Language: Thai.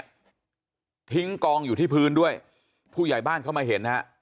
เสื้อผ้าเนี่ยทิ้งกองอยู่ที่พื้นด้วยผู้ใหญ่บ้านเข้ามาเห็นนะฮะ